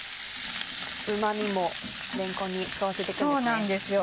うまみもれんこんに吸わせていくんですね。